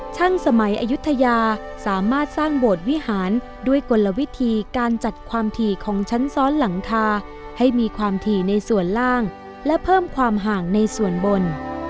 สมัยอายุทยาสามารถสร้างโบสถ์วิหารด้วยกลวิธีการจัดความถี่ของชั้นซ้อนหลังคาให้มีความถี่ในส่วนล่างและเพิ่มความห่างในส่วนบน